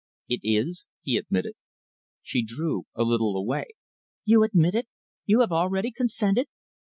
"It is," he admitted. She drew a little away. "You admit it? You have already consented?"